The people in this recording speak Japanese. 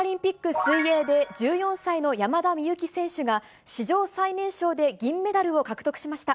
水泳で、１４歳の山田美幸選手が、史上最年少で銀メダルを獲得しました。